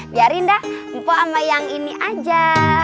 biarin dah mpo sama yang ini aja